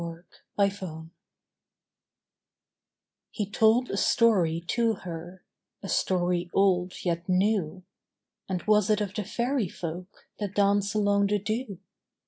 UNDER THE ROSE He told a story to her, A story old yet new And was it of the Faery Folk That dance along the dew?